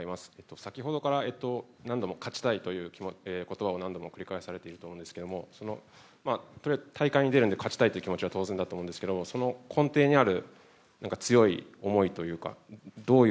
先ほどから何度も勝ちたいという言葉を何度も繰り返されていると思いますけど大会に出るので勝ちたいという気持ちは当然だと思うんですがその根底にある強い思いというかどういう。